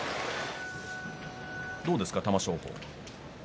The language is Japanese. どうですか、玉正鳳。